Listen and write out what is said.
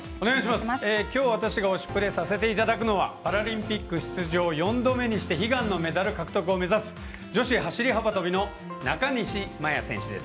きょう私が「推しプレ！」させていただくのはパラリンピック出場４度目にして悲願のメダル獲得を目指す女子走り幅跳びの中西麻耶選手です。